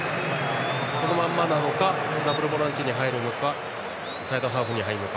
そのままなのかダブルボランチに入るのかサイドハーフに入るのか。